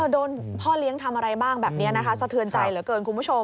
โดนพ่อเลี้ยงทำอะไรบ้างแบบนี้นะคะสะเทือนใจเหลือเกินคุณผู้ชม